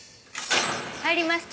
入ります。